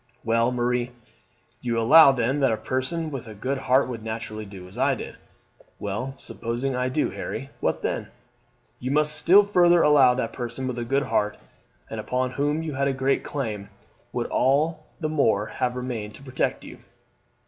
"Well, Marie, you allow then that a person with a good heart would naturally do as I did." "Well, supposing I do, Harry, what then?" "You must still further allow that a person with a good heart, and upon whom you had a great claim, would all the more have remained to protect you."